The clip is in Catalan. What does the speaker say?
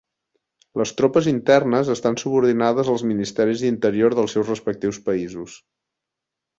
Les tropes internes estan subordinades als ministeris d'interior dels respectius països.